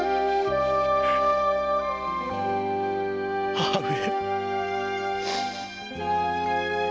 母上！